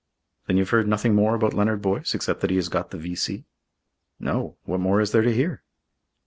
"Then you've heard nothing more about Leonard Boyce except that he has got the V.C.?" "No. What more is there to hear?"